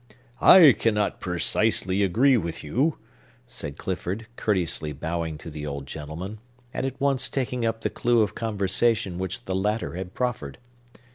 "I cannot precisely agree with you," said Clifford, courteously bowing to the old gentleman, and at once taking up the clew of conversation which the latter had proffered.